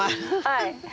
はい。